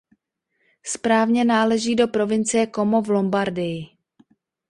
Správně náleží do provincie Como v Lombardii.